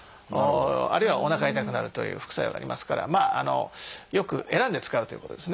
あるいはおなか痛くなるという副作用がありますからよく選んで使うということですね。